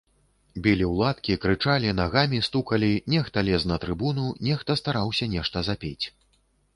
Білі ў ладкі, крычалі, нагамі стукалі, нехта лез на трыбуну, нехта стараўся нешта запець.